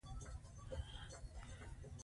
تاریخ یې لا اوس هم ورک دی.